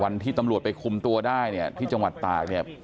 วันที่ตำรวจไปคุมตัวได้เนี่ยที่จังหวัดตากเนี่ย